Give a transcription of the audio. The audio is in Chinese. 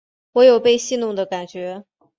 我有被戏弄的感觉